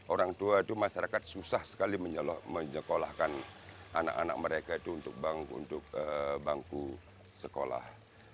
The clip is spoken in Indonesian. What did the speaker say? orang tua itu masyarakat susah sekali menyekolahkan anak anak mereka itu untuk bangku sekolah